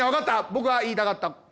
僕が言いたかった教訓。